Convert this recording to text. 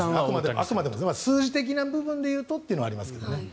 あくまでも数字的な部分で言うとというのはありますけど。